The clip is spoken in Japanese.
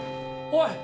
おい！